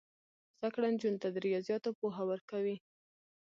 زده کړه نجونو ته د ریاضیاتو پوهه ورکوي.